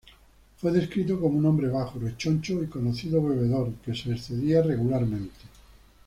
Fue descrito como un hombre bajo, rechoncho y conocido bebedor que se excedía regularmente.